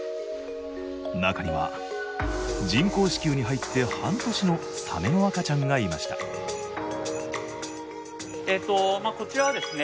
中には人工子宮に入って半年のサメの赤ちゃんがいましたこちらはですね